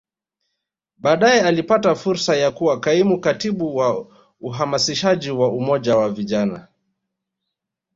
Baadae alipata fursa ya kuwa Kaimu Katibu wa Uhamasishaji wa Umoja wa Vijana